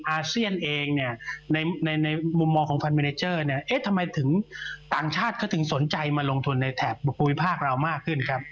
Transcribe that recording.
อาเซียนเองเนี่ยในมุมมองของพันเมเนเจอร์เนี่ยเอ๊ะทำไมถึงต่างชาติเขาถึงสนใจมาลงทุนในแถบภูมิภาคเรามากขึ้นครับ